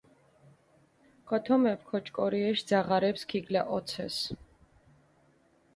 ქოთომეფქ ოჭკორიეშ ძაღარეფს ქიგლაცოჸეს.